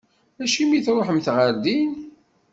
Acimi i tṛuḥemt ɣer din?